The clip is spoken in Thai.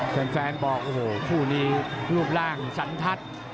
เพลงบอกคู่นี้รูปร่างสรรทัศน์